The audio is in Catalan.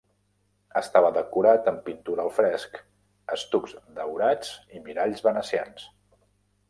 Estava decorat amb pintura al fresc, estucs daurats i miralls venecians.